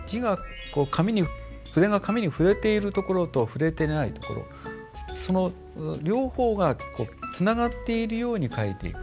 筆が紙に触れているところと触れていないところその両方がつながっているように書いていく。